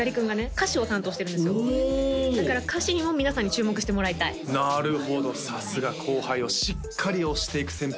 歌詞を担当してるんですよおだから歌詞にも皆さんに注目してもらいたいなるほどさすが後輩をしっかり推していく先輩